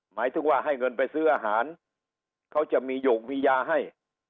หมายถึงว่าให้เงินไปซื้ออาหารเขาจะมีโยงวิญญาให้